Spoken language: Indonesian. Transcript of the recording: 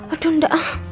aduh enggak ah